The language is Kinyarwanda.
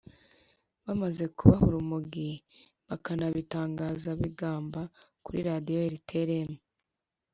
bamaze kubaha urumogi bakanabitangaza bigamba kuri radiyo rtlm